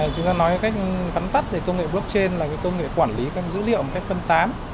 chúng ta nói cách cắn tắt về công nghệ blockchain là công nghệ quản lý các dữ liệu một cách phân tán